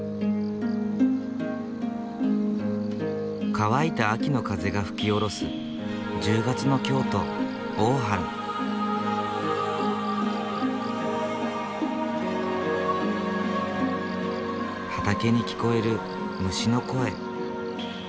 乾いた秋の風が吹き降ろす１０月の畑に聞こえる虫の声。